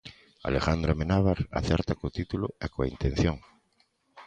Alejandro Amenábar acerta co título e coa intención.